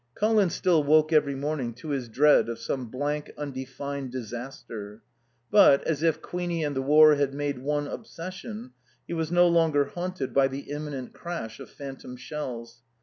Colin still woke every morning to his dread of some blank, undefined disaster; but, as if Queenie and the war had made one obsession, he was no longer haunted by the imminent crash of phantom shells.